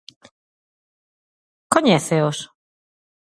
¿Coñéceos?